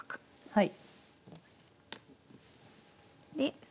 はい。